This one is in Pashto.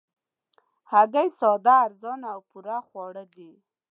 هګۍ ساده، ارزانه او پوره خواړه دي